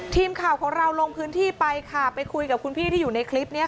ทีมข่าวของเราลงพื้นที่ไปค่ะไปคุยกับคุณพี่ที่อยู่ในคลิปนี้